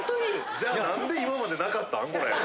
じゃあ何で今までなかったんこれ。